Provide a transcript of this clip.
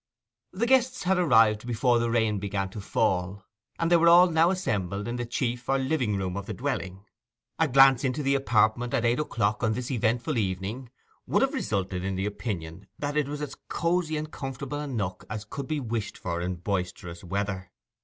The guests had arrived before the rain began to fall, and they were all now assembled in the chief or living room of the dwelling. A glance into the apartment at eight o'clock on this eventful evening would have resulted in the opinion that it was as cosy and comfortable a nook as could be wished for in boisterous weather.